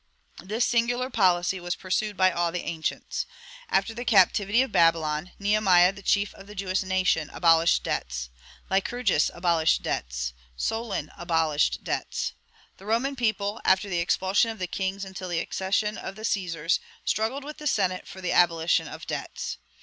This singular policy was pursued by all the ancients. After the captivity of Babylon, Nehemiah, the chief of the Jewish nation, abolished debts; Lycurgus abolished debts; Solon abolished debts; the Roman people, after the expulsion of the kings until the accession of the Caesars, struggled with the Senate for the abolition of debts.